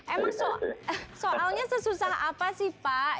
emang soalnya sesusah apa sih pak